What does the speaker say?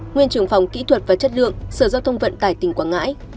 nguyên trưởng phòng kỹ thuật và chất lượng sở giao thông vận tải tỉnh quảng ngãi